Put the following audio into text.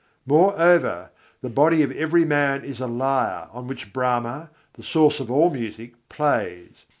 Moreover, the body of every man is a lyre on which Brahma, "the source of all music," plays.